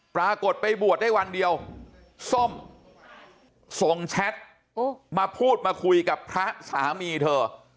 ปรากฏไปบวชได้วันเดียวส้มส่งแชทมาพูดมาคุยกับพระสามีเธอ